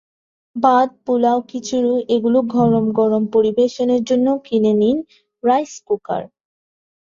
ভাত, পোলাও, খিচুড়ি এগুলো গরম গরম পরিবেশনের জন্য কিনে নিন রাইস কুকার।